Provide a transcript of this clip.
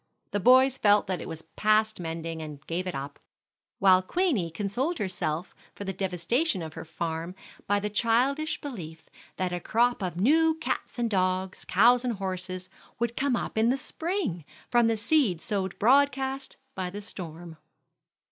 The boys felt that it was past mending, and gave it up; while Queenie consoled herself for the devastation of her farm by the childish belief that a crop of new cats and dogs, cows and horses, would come up in the spring from the seed sowed broadcast by the storm.